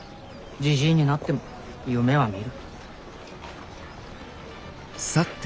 じじいになっても夢はみる。